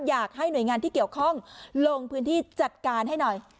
อยากให้หน่วยงานที่เกี่ยวข้องลงพื้นที่จัดการให้หน่อย